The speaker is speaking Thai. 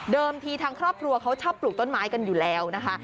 ทีทางครอบครัวเขาชอบปลูกต้นไม้กันอยู่แล้วนะคะ